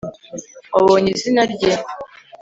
wabonye izina rye